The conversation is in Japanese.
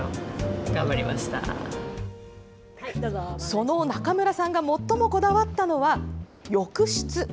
その中村さんが最もこだわったのは、浴室。